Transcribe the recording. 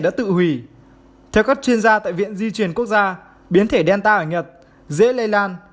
đã tự hủy theo các chuyên gia tại viện di chuyển quốc gia biến thể delta ở nhật dễ lây lan